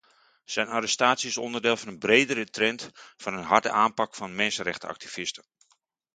Zijn arrestatie is onderdeel van een bredere trend van een harde aanpak van mensenrechtenactivisten.